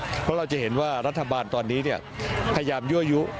เพราะเราจะเห็นว่ารัฐบาลตอนนี้พยายามยั่วยุ